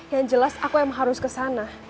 yang jelas aku emang harus kesana